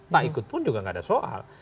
tak ikut pun juga nggak ada soal